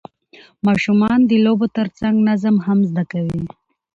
ماشومان د لوبو ترڅنګ نظم هم زده کوي